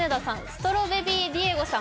ストロベビーディエゴさん